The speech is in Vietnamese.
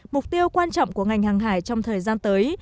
mục tiêu quan trọng của ngành hàng hải trong thời gian tới